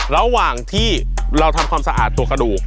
ระหว่างที่เราทำความสะอาดตัวกระดูก